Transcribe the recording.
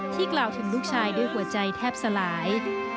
กล่าวถึงลูกชายด้วยหัวใจแทบสลาย